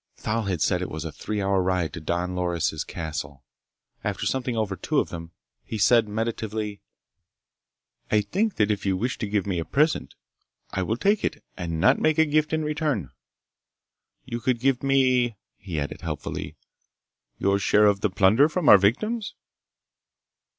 Thal had said it was a three hour ride to Don Loris' castle. After something over two of them, he said meditatively: "I think that if you wish to give me a present I will take it and not make a gift in return. You could give me," he added helpfully, "your share of the plunder from our victims."